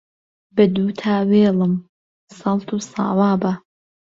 به دووتا وێڵم سهڵت و ساوا به